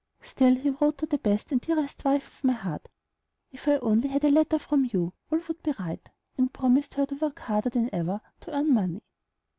Still he wrote to "the best and dearest wife of my heart," "If I only had a letter from you, all would be right," and promised her to work harder than ever to earn money.